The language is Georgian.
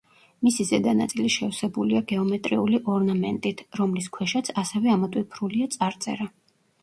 მისი ზედა ნაწილი შევსებულია გეომეტრიული ორნამენტით, რომლის ქვეშაც ასევე ამოტვიფრულია წარწერა.